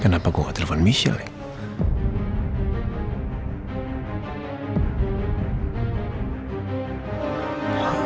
kenapa gua ga telepon michelle ya